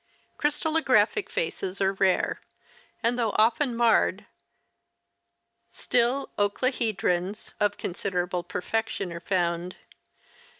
Crystallographic faces are rare, and though often marred, still oclahedrons (111, 1) of considerable perfection are found.